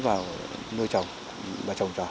vào nơi trồng